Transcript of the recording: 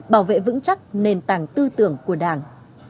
bảo vệ vững chắc nền tảng tư tưởng của đảng